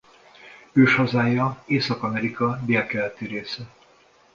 Őshazája Észak-Amerika délkeleti része.